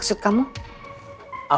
aura itu ma